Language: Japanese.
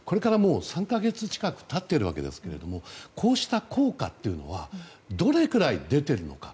３か月近く経っているわけですがこうした効果というのはどれくらい出ているのか。